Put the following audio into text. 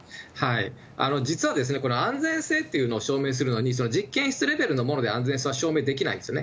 実はこれ、安全性っていうのを証明するのに、実験室レベルのもので安全性は証明できないんですね。